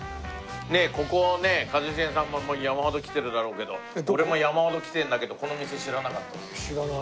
ここね一茂さんはもう山ほど来てるだろうけど俺も山ほど来てるんだけどこの店知らなかった。